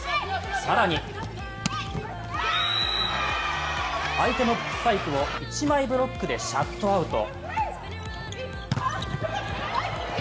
更に相手のスパイクを一枚ブロックでシャットアウト。